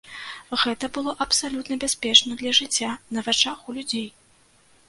Гэта было абсалютна бяспечна для жыцця, на вачах у людзей.